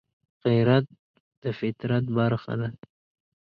غیرت د فطرت برخه ده